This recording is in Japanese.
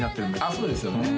そうですよね